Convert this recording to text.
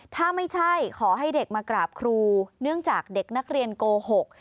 ถ้าไม่ใช่ขอให้เด็กมากราบครูเนื่องจากเด็กนักเรียนโกหก